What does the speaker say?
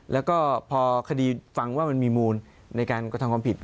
แล้วก็พอคดีฟังว่ามันมีมูลในการกระทำความผิด